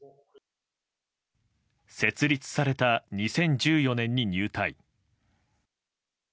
設立された２０１４年に入隊。